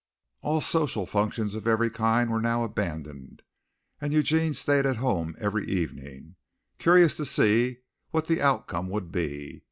All social functions of every kind were now abandoned and Eugene stayed at home every evening, curious to see what the outcome would be.